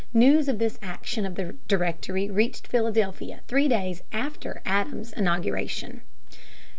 News of this action of the Directory reached Philadelphia three days after Adams's inauguration.